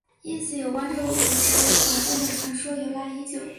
因此有关这个古宅有宝藏的传说由来已久。